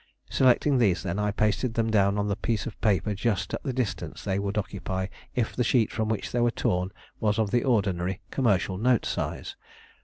Selecting these, then, I pasted them down on a piece of paper at just the distance they would occupy if the sheet from which they were torn was of the ordinary commercial note size.